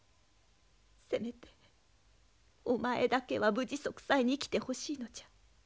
せめてお前だけは無事息災に生きてほしいのじゃ。